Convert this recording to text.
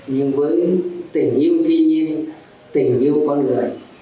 nhưng với tình yêu thiên nhiên tình yêu con người